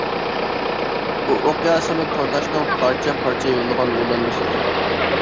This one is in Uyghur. بۇ ئوقيا ئىسىملىك تورداشنىڭ پارچە-پارچە يوللىغان يوللانمىسى ئىكەن.